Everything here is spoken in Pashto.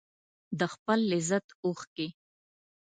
د خپل لذت اوښکې